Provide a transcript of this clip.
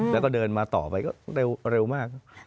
แบบว่าเดินมาต่อไปเร็วมาก